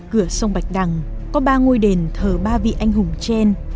hiện ở khu vực cửa sông bạch đằng có ba ngôi đền thờ ba vị anh hùng tren